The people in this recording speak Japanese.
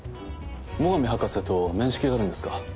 最上博士と面識があるんですか？